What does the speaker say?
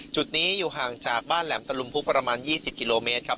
จุดนี้อยู่ห่างจากบ้านแหลมตะลุมพุกประมาณ๒๐กิโลเมตรครับ